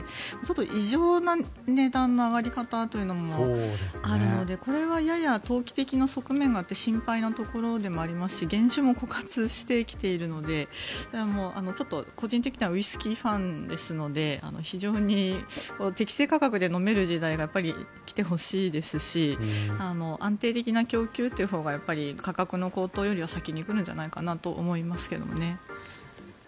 異常な値段の上がり方というのもあるのでこれはやや投機的な側面があって心配なところでもありますし原酒も枯渇してきていますのでちょっと個人的にはウイスキーファンですので非常に適正価格で飲める時代が来てほしいですし安定的な供給というのが価格の高騰より先に行くんじゃないかと思いますけどね。